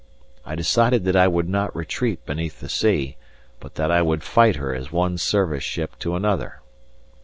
I decided that I would not retreat beneath the sea, but that I would fight her as one service ship to another.